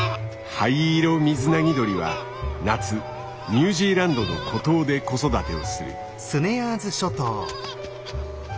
ハイイロミズナギドリは夏ニュージーランドの孤島で子育てをする。